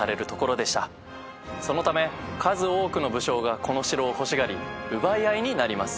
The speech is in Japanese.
そのため数多くの武将がこの城を欲しがり奪い合いになります。